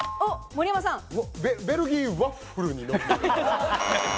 ベルギーワッフルに乗って。